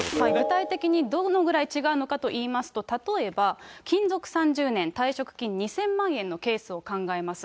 具体的にどのぐらい違うのかと言いますと、例えば、勤続３０年、退職金２０００万円のケースを考えます。